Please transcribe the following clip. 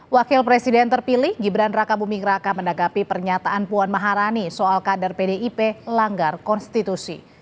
wakil presiden terpilih gibran raka buming raka menanggapi pernyataan puan maharani soal kader pdip langgar konstitusi